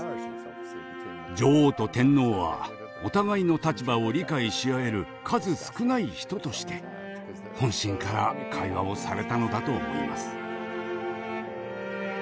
女王と天皇はお互いの立場を理解し合える数少ない人として本心から会話をされたのだと思います。